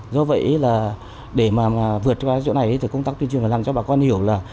do vậy là để mà vượt qua chỗ này thì công tác tuyên truyền phải làm cho bà con hiểu là